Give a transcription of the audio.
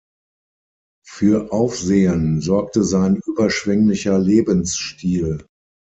Für Aufsehen sorgte sein überschwänglicher Lebensstil.